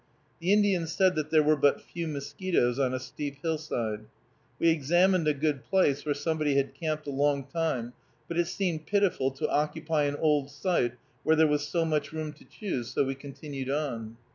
The Indian said that there were but few mosquitoes on a steep hillside. We examined a good place, where somebody had camped a long time; but it seemed pitiful to occupy an old site, where there was so much room to choose, so we continued on.